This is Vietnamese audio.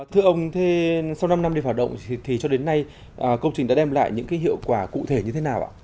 thưa ông thế sau năm năm đi hoạt động thì cho đến nay công trình đã đem lại những hiệu quả cụ thể như thế nào ạ